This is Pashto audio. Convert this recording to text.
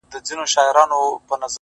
هندو نه یم خو بیا هم و اوشا ته درېږم